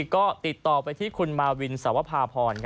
ก็ติดต่อไปที่คุณมาวินสวภาพร